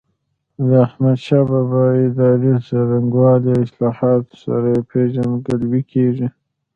د احمدشاه بابا د ادارې څرنګوالي او اصلاحاتو سره یې پيژندګلوي کېږي.